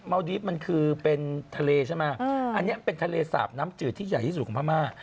ดีฟมันคือเป็นทะเลใช่ไหมอันนี้เป็นทะเลสาบน้ำจืดที่ใหญ่ที่สุดของพม่า